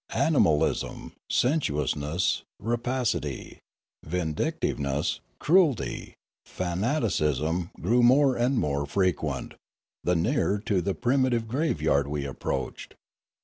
Animalism, sensuous ness, rapacity, vindictiveness, cruelty, fanaticism grew more and more frequent, the nearer to the primitive graveyard we approached.